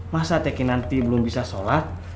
masa teki nanti belum bisa sholat